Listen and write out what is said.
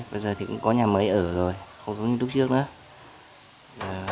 bây giờ thì cũng có nhà mới ở rồi không giống như lúc trước nữa